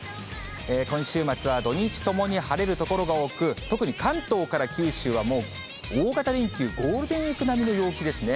今週末は土日ともに晴れる所が多く、特に関東から九州はもう、大型連休、ゴールデンウィーク並みの陽気ですね。